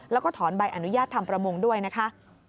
แล้วก็ถอนใบอนุญาตทำประมงด้วยนะคะ